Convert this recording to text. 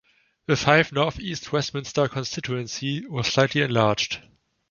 The Fife North East Westminster constituency was slightly enlarged.